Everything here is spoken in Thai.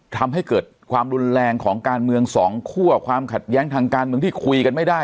ทำให้เกิดความรุนแรงของการเมืองสองคั่วความขัดแย้งทางการเมืองที่คุยกันไม่ได้